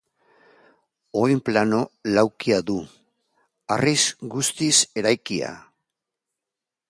Oinplano laukia du, harriz guztiz eraikia.